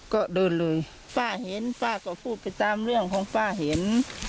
ก็เดินเลยป้าเห็นป้าก็พูดไปตามเรื่องของป้าเห็น